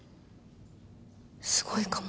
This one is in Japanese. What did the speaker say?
すごいかも。